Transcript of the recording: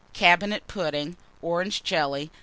Cabinet Pudding. Orange Jelly.